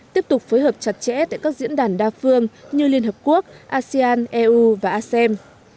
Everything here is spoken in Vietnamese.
tiếp tục phối hợp chặt chẽ tại các diễn đàn đa phương như liên hợp quốc asean eu và asem